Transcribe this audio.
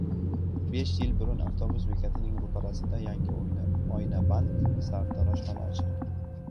Besh yil burun avtobus bekatining ro‘parasida yangi oynaband sartaroshxona ochildi.